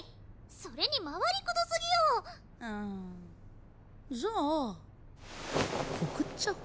それに回りくどすぎようんじゃあ告っ